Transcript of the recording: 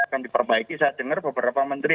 akan diperbaiki saya dengar beberapa menteri